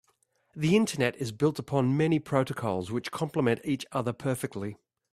The internet is built upon many protocols which compliment each other perfectly.